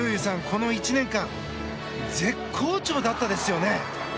この１年間絶好調だったですよね。